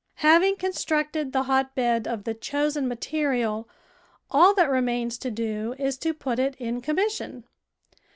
Having constructed the hotbed of the chosen material, all that remains to do is to put it in com mission.